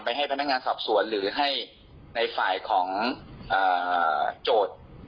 ให้พนักงานสอบสวนหรือให้ในฝ่ายของโจทย์